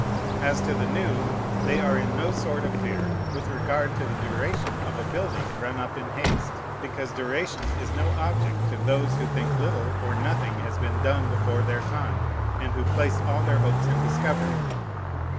As to the new, they are in no sort of fear with regard to the duration of a building run up in haste; because duration is no object to those who think little or nothing has been done before their time, and who place all their hopes in discovery.